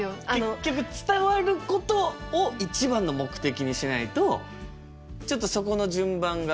結局伝わることを一番の目的にしないとちょっとそこの順番がね